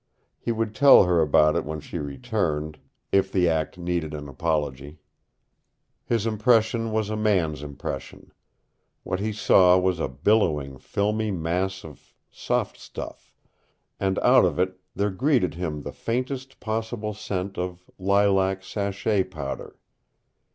He would tell her about it when she returned, if the act needed an apology. His impression was a man's impression. What he saw was a billowing, filmy mass of soft stuff, and out of it there greeted him the faintest possible scent of lilac sachet powder.